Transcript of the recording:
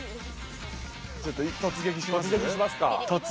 ちょっと突撃しますか？